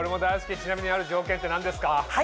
ちなみに「ある条件」って何ですか？